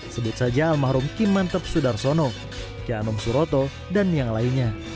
sebut saja almarhum kim mantep sudarsono kianum suroto dan yang lainnya